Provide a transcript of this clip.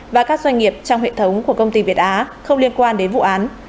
và các doanh nghiệp trong hệ thống của công ty việt á không liên quan đến vụ án